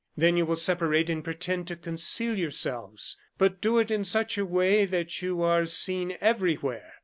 Then you will separate and pretend to conceal yourselves, but do it in such a way that you are seen everywhere."